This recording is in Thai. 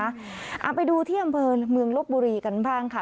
เอาไปดูที่อำเภอเมืองลบบุรีกันบ้างค่ะ